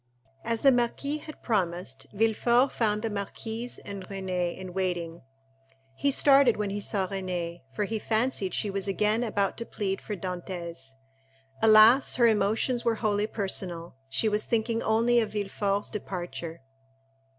As the marquis had promised, Villefort found the marquise and Renée in waiting. He started when he saw Renée, for he fancied she was again about to plead for Dantès. Alas, her emotions were wholly personal: she was thinking only of Villefort's departure.